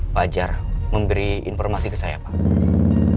fajar memberi informasi ke saya pak